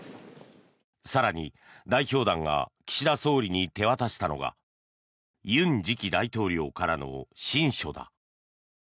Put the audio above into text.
更に代表団が岸田総理に手渡したのが尹次期大統領からの親書だ。